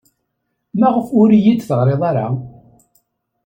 Maɣef ur iyi-d-teɣri ara?